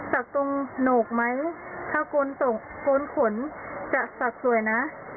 ตรงโหนกไหมถ้าโกนขนจะสักสวยนะ